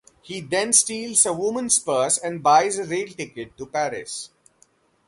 He then steals a woman's purse and buys a rail ticket to Paris.